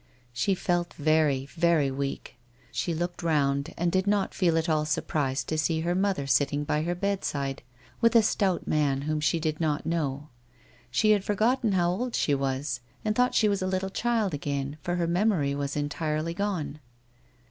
She felt very, very weak. She looked round, and did not feel at all surprised to see her mother sitting by her bed side with a stout man whom she did not know. She had for gotten how old she was, and thought she was a little child again, for her memory was entirely gone.